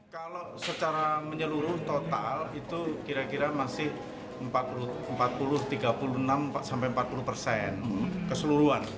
kalau secara menyeluruh total itu kira kira masih empat puluh tiga puluh enam sampai empat puluh persen keseluruhan